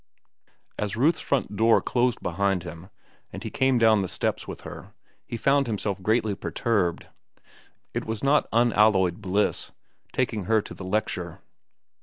As Ruth's front door closed behind them and he came down the steps with her, he found himself greatly perturbed. It was not unalloyed bliss, taking her to the lecture.